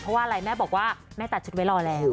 เพราะว่าอะไรแม่บอกว่าแม่ตัดชุดไว้รอแล้ว